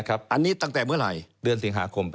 อันนี้ตั้งแต่เมื่อไหร่